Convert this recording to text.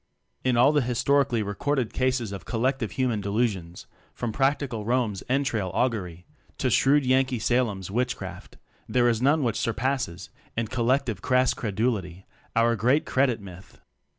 In all the historically recorded cases of collective human delusions from practical Rome's entrail augury to shrewd Yankee Salem's witchcraft there is none which surpasses, in col lective crass credulity, our great Credit Myth!